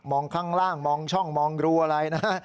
ข้างล่างมองช่องมองรูอะไรนะฮะ